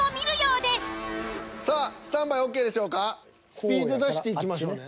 スピード出していきましょうね。